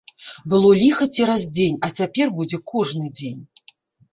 Было ліха цераз дзень, а цяпер будзе кожны дзень!